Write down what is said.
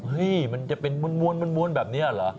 มันจะเป็นม้วนแบบนี้เหรอ